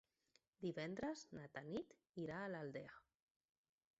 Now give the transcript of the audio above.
Divendres na Tanit irà a l'Aldea.